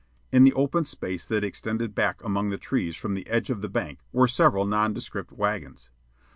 In the open space that extended back among the trees from the edge of the bank were several nondescript wagons.